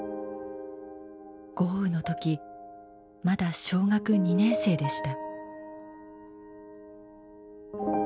豪雨の時まだ小学２年生でした。